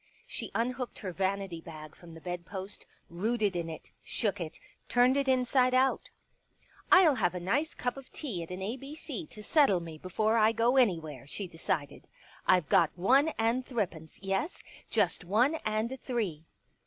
She unhooked her vanity bag from the bedpost, rooted in it, shook it, turned it inside out. " ril have a nice cup of tea at an A B C to settle me before I go anywhere," she decided. " I've got one and thrippence — yes, just one and three."